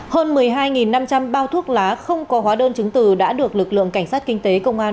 hơn một mươi hai năm trăm linh bao thuốc lá không có hóa đơn chứng từ đã được lực lượng cảnh sát kinh tế công an